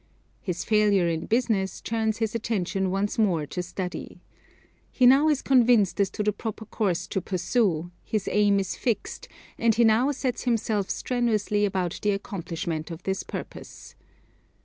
His failure in business turns his attention once more to study. He now is convinced as to the proper course to pursue, his aim is fixed, and he now sets himself strenuously about the accomplishment of his purpose.